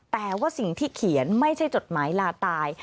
แต่ว่าสิ่งที่เขียนไม่ใช่จดหมายลาตาย